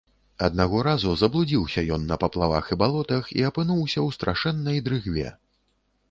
Аднаго разу заблудзіўся ён на паплавах і балотах і апынуўся ў страшэннай дрыгве.